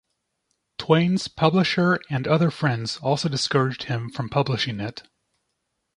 Twain's publisher and other friends also discouraged him from publishing it.